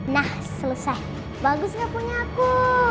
nah selesai bagus nggak punya aku